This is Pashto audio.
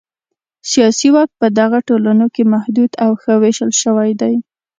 سیاسي واک په دغو ټولنو کې محدود او ښه وېشل شوی دی.